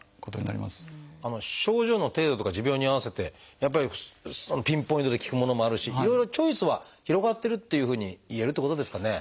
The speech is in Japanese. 症状の程度とか持病に合わせてやっぱりピンポイントで効くものもあるしいろいろチョイスは広がってるっていうふうにいえるってことですかね。